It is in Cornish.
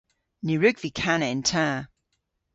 Ny wrug vy kana yn ta.